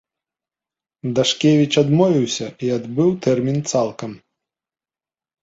Дашкевіч адмовіўся і адбыў тэрмін цалкам.